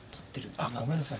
あっごめんなさい。